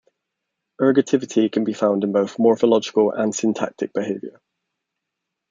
Ergativity can be found in both morphological and syntactic behavior.